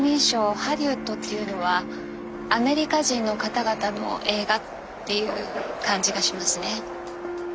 ハリウッドっていうのはアメリカ人の方々の映画っていう感じがしますね。